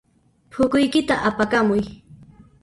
P'ukuykita apakamuy.